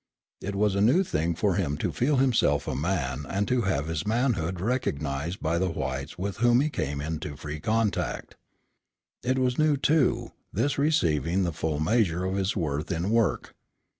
It was a new thing for him to feel himself a man and to have his manhood recognized by the whites with whom he came into free contact. It was new, too, this receiving the full measure of his worth in work.